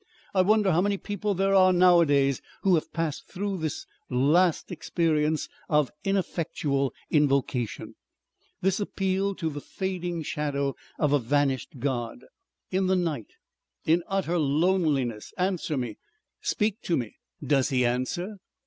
"I wonder how many people there are nowadays who have passed through this last experience of ineffectual invocation, this appeal to the fading shadow of a vanished God. In the night. In utter loneliness. Answer me! Speak to me! Does he answer?